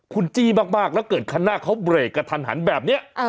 คุณจี้มากแล้วเกิดคันหน้าเขาเบรกกระทันหันแบบนี้